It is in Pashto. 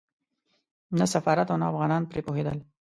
نه سفارت او نه افغانان پرې پوهېدل.